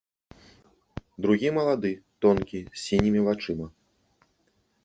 Другі малады, тонкі, з сінімі вачыма.